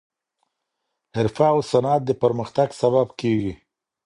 حرفه او صنعت د پرمختګ سبب کیږي.